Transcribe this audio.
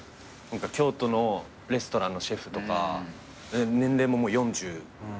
京都のレストランのシェフとか年齢も４０とか。